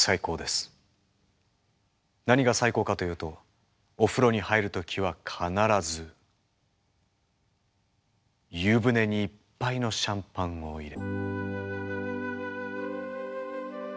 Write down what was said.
何が最高かというとお風呂に入る時は必ず湯船にいっぱいのシャンパンを入れ。